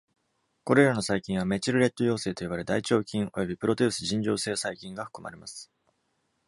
これらの細菌はメチルレッド陽性と呼ばれ、「大腸菌」および「プロテウス尋常性細菌」が含まれます。